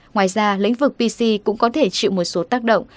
ngoài ra lĩnh vực pc cũng có thể chịu một số tác động